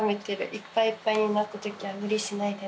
「いっぱいいっぱいになったときはむりしないでね」